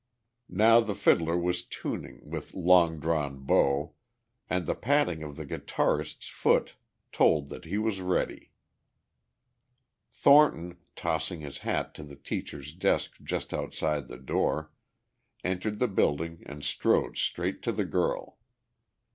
Now the fiddler was tuning with long drawn bow, and the patting of the guitarist's foot told that he was ready. Thornton, tossing his hat to the teacher's desk just outside the door, entered the building and strode straight to the girl.